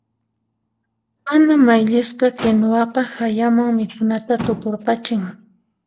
Mana mayllisqa kinuwaqa hayaman mikhunata tukurqachin.